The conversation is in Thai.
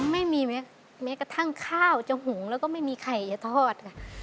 ไม่มีแม้กระทั่งข้าวจะหุงแล้วก็ไม่มีไข่จะทอดค่ะ